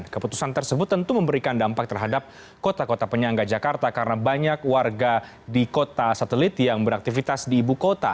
keputusan tersebut tentu memberikan dampak terhadap kota kota penyangga jakarta karena banyak warga di kota satelit yang beraktivitas di ibu kota